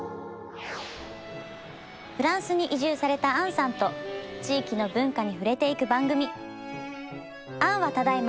フランスに移住された杏さんと地域の文化に触れていく番組「杏はただいま